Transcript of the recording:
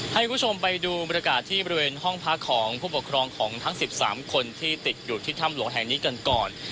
ให้คุณผู้ชมไปดูบรรยากาศที่บริเวณห้องพักของผู้ปกครองของทั้ง๑๓คนที่ติดอยู่ที่ถ้ำหลวงแห่งนี้กันก่อน